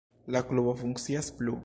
La klubo funkcias plu.